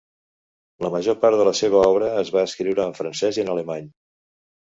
La major part de la seva obra es va escriure en francès i en alemany.